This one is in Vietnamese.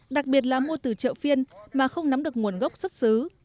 đặc biệt là mua từ chợ phiên mà không nắm được nguồn gốc xuất xứ